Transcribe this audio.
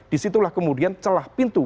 disitulah kemudian celah pintu